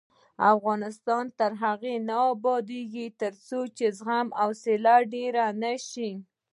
افغانستان تر هغو نه ابادیږي، ترڅو زغم او حوصله ډیره نشي.